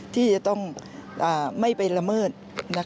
ที่จะต้องไม่ไปละเมิด